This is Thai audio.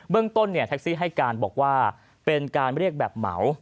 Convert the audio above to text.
เรื่องต้นแท็กซี่ให้การบอกว่าเป็นการเรียกแบบเหมา